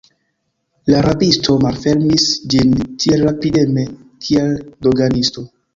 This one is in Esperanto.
La rabisto malfermis ĝin tiel rapideme, kiel doganisto.